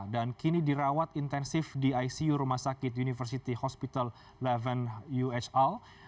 dan kini dirawat intensif di icu rumah sakit university hospital sebelas uhl